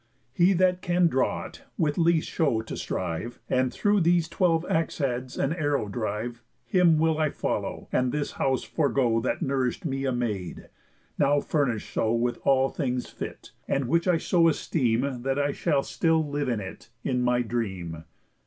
He that can draw it with least show to strive, And through these twelve axe heads an arrow drive, Him will I follow, and this house forego That nourish'd me a maid, now furnish'd so With all things fit, and which I so esteem That I shall still live in it in my dream."